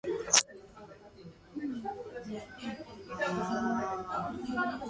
Tieflings are often portrayed as antiheroes.